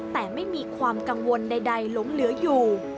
แต่ไม่มีความกังวลใดหลงเหลืออยู่